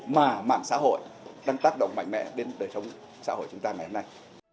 mà mạng xã hội đang tác động mạnh mẽ đến đời sống xã hội chúng ta ngày hôm nay